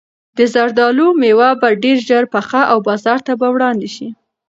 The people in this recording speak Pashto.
د زردالو مېوه به ډېر ژر پخه او بازار ته به وړاندې شي.